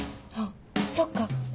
あっそっか。